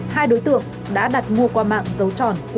hai đối tượng đã đặt mua qua mạng dấu tròn